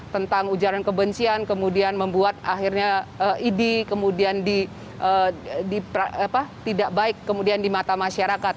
tentang ujaran kebencian kemudian membuat akhirnya idi kemudian tidak baik kemudian di mata masyarakat